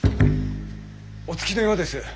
お着きのようです。